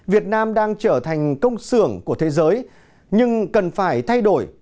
việt nam đang trở thành công xưởng của thế giới nhưng cần phải thay đổi